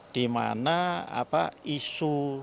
di mana isu